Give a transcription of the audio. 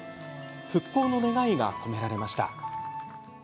復興の願いが込められました。